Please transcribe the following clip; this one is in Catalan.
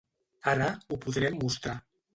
Ara, ho podrem mostrar.